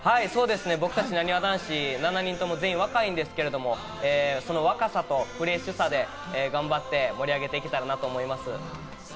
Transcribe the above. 僕たち、なにわ男子７人とも全員若いんですけれども、その若さとフレッシュさで頑張って盛り上げていけたらなと思います。